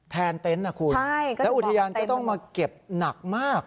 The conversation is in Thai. เต็นต์นะคุณแล้วอุทยานก็ต้องมาเก็บหนักมาก